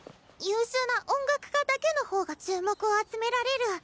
優秀な音楽科だけの方が注目を集められる。